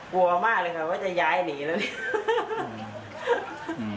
กลัวมากเลยค่ะว่าจะย้ายหนีแล้วเนี่ย